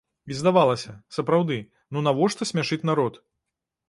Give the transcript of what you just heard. І, здавалася, сапраўды, ну навошта смяшыць народ?